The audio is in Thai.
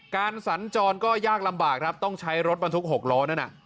สัญจรก็ยากลำบากครับต้องใช้รถบรรทุก๖ล้อนั่นน่ะ